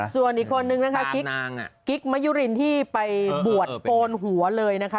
ส่วนอีกคนนึงนะคะกิ๊กมะยุรินที่ไปบวชโกนหัวเลยนะคะ